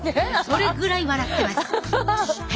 それぐらい笑ってます。